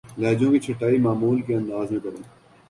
لہجوں کی چھٹائی معمول کے انداز میں کریں